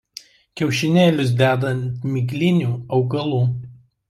Kiaušinėlius deda ant miglinių augalų.